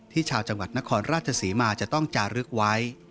ชาวจังหวัดนครราชศรีมาจะต้องจารึกไว้